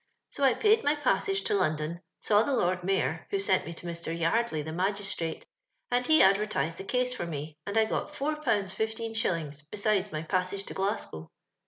So I paid my passage to London, saw the Lord Mayor, who sent me to Mr. Yiirdley, the magistrate, and he adver tised the (.'Use for me, and I gut four pounds fifteen shillings, besides my passage to Glas gow.